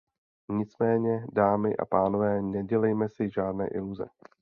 Nicméně, dámy a pánové, nedělejme si žádné iluze.